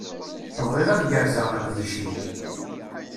Bɣiɣ ad gerrzeɣ leqdic-iw.